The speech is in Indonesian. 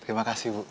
terima kasih bu